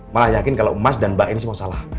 malah yakin kalau mas dan mbak ini semua salah